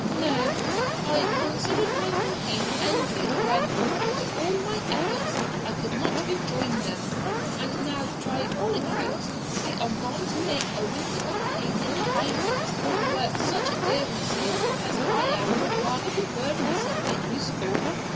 'No; I considered my campaign ended when, after all my efforts, I could not rejoin them; and now, by all accounts, they are gone to make a winter campaign in the Highlands, where such adherents as I am would rather be burdensome than useful.